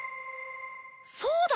そうだ！